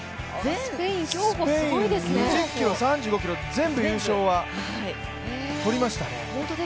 スペイン、２０ｋｍ、３５ｋｍ、全部優勝は取りました。